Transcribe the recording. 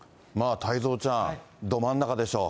太蔵ちゃん、ど真ん中でしょう。